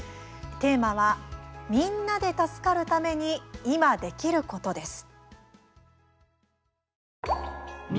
テーマは、みんなで助かるために今できることです。